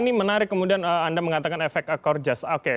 saya ini menarik kemudian anda mengatakan efek ekor jahat oke